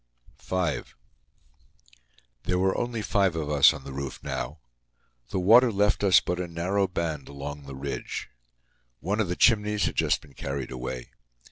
V. There were only five of us on the roof now. The water left us but a narrow band along the ridge. One of the chimneys had just been carried away.